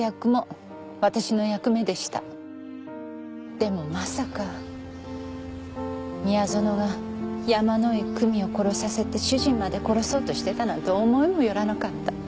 でもまさか宮園が山井久美を殺させて主人まで殺そうとしてたなんて思いもよらなかった。